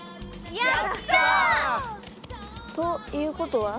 やった！ということは？